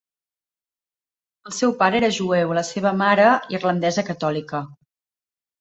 El seu pare era jueu i la seva mare irlandesa catòlica.